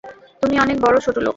তুমি অনেক বড় ছোটলোক।